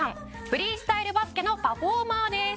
「フリースタイルバスケのパフォーマーです」